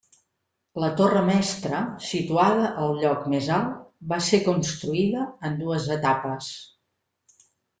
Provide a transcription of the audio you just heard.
La torre mestra, situada al lloc més alt, va ser construïda en dues etapes.